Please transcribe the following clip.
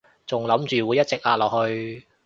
仲諗住會一直壓落去